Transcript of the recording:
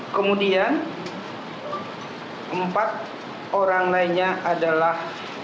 kemudian empat orang lainnya adalah